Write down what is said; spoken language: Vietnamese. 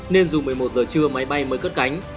nên dù một mươi một giờ trưa máy bay mới cất cánh